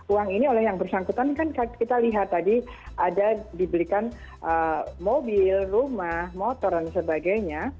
uang ini oleh yang bersangkutan kan kita lihat tadi ada dibelikan mobil rumah motor dan sebagainya